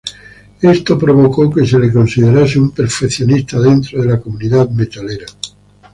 Esto provocó que se le considerase un perfeccionista dentro de la comunidad metalera.